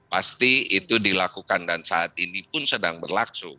pasti itu dilakukan dan saat ini pun sedang berlangsung